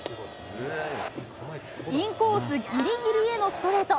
インコースぎりぎりへのストレート。